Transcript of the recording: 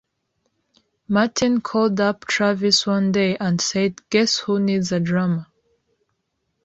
Martin called up Travis one day and said Guess who needs a drummer?